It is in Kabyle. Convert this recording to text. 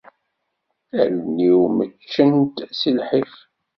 Allen-iw meččent si lḥif.